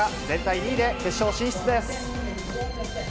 全体２位で決勝進出です。